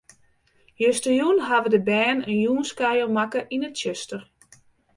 Justerjûn hawwe de bern in jûnskuier makke yn it tsjuster.